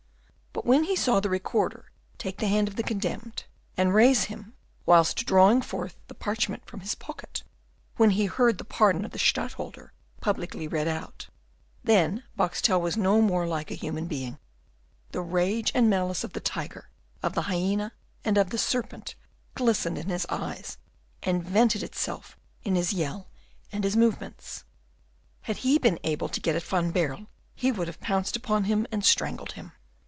But when he saw the Recorder take the hand of the condemned, and raise him, whilst drawing forth the parchment from his pocket, when he heard the pardon of the Stadtholder publicly read out, then Boxtel was no more like a human being; the rage and malice of the tiger, of the hyena, and of the serpent glistened in his eyes, and vented itself in his yell and his movements. Had he been able to get at Van Baerle, he would have pounced upon him and strangled him.